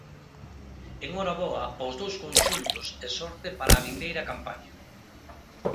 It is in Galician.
En hora boa aos dous conxuntos e sorte para a vindeira campaña.